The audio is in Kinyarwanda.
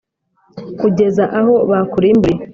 kugeza aho bakurimburiye.